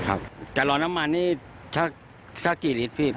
กาหลอนน้ำมันนี้ช่ากี่ฤทธิพธิ์